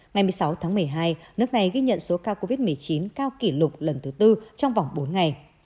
ngày một mươi sáu tháng một mươi hai nước này ghi nhận số ca covid một mươi chín cao kỷ lục lần thứ tư trong vòng bốn ngày